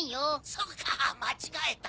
そうか間違えた。